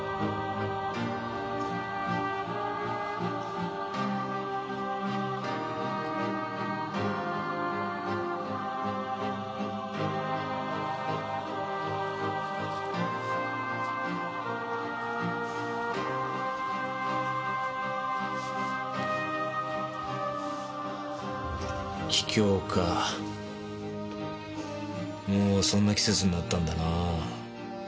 もうそんな季節になったんだなぁ。